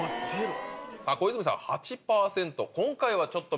さぁ小泉さん８％。